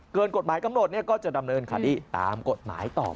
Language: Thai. กฎหมายกำหนดก็จะดำเนินคดีตามกฎหมายต่อไป